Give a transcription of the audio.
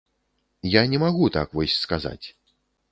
Я не магу так вось сказаць.